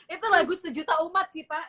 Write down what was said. itu lagu sejuta umat sih pak